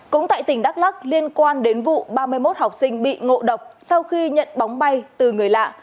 cũng tại tỉnh đắk lắc liên quan đến vụ ba mươi một học sinh bị ngộ độc sau khi nhận bóng bay từ người lạ